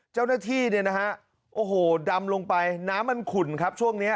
เจ้าหน้าที่ดำลงไปน้ำมันขุ่นครับช่วงนี้